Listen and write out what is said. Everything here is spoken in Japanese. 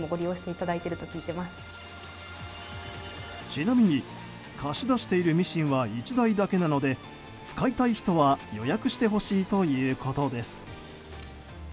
ちなみに貸し出しているミシンは１台だけなので使いたい人は予約してほしいということです。